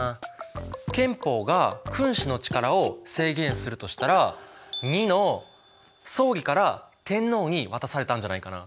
憲法が君主の力を制限するとしたら②の総理から天皇に渡されたんじゃないかな。